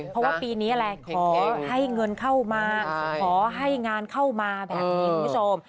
เพราะว่าปีนี้อะไรขอให้เงินเข้ามาขอให้งานเข้ามาแบบนี้คุณผู้ชม